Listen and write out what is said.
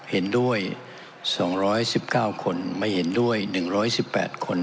เห็นด้วย๒๑๙คนไม่เห็นด้วย๑๑๘คน